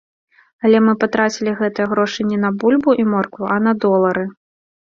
Але мы патрацілі гэтыя грошы не на бульбу і моркву, а на долары.